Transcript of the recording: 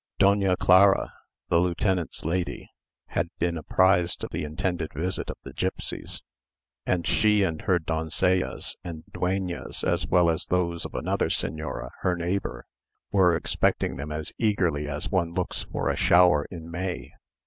Doña Clara, the lieutenant's lady, had been apprised of the intended visit of the gipsies, and she and her doncellas and dueñas, as well as those of another señora, her neighbour, were expecting them as eagerly as one looks for a shower in May.